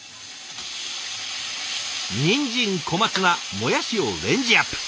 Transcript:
にんじん小松菜もやしをレンジアップ。